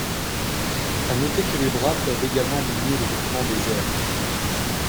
À noter que les bras peuvent également mimer le mouvement des ailes.